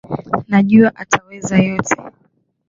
Najua ataweza yote.